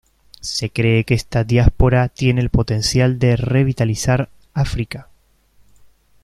Se cree que esta diáspora tiene el potencial de revitalizar África.